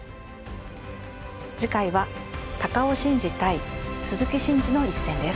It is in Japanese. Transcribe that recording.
次回は高尾紳路対鈴木伸二の一戦です。